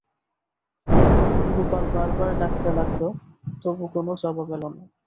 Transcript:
গোপাল বার বার ডাকতে লাগল, তবু কোন জবাব এল না।